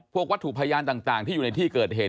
วัตถุพยานต่างที่อยู่ในที่เกิดเหตุ